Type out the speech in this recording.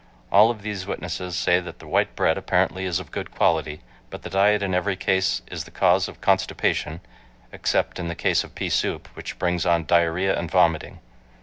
All of these witnesses say that the white bread apparently is of good quality, but the diet in every case is the cause of constipation, except in the case of pea soup, which brings on diarrhea and vomiting.